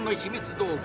道具